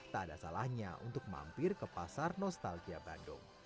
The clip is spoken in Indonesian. tak ada salahnya untuk mampir ke pasar nostalgia bandung